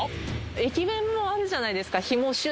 駅弁もあるじゃないですか